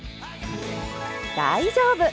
大丈夫！